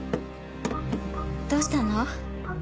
どうしたの？